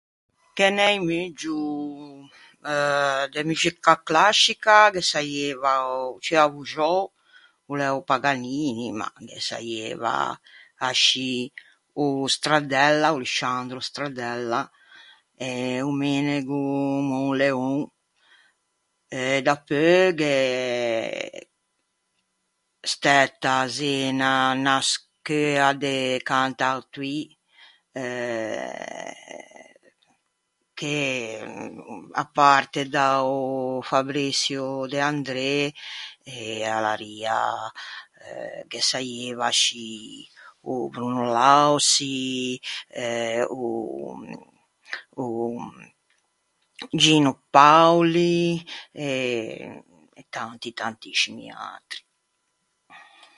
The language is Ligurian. Ghe n’é un muggio. Euh de muxica clascica ghe saieiva, o ciù avvoxou o l’é o Paganini, ma ghe saieiva ascì o Stradella, o Lusciandro Stradella e o Menego Monleon. Eh dapeu gh’é stæta à Zena unna scheua de cantautoî eh che a parte da-o Fabriçio De André e a l’arria eh ghe saieiva ascì o Bruno Lauzi, eh o Gino Paoli e tanti tantiscimi atri.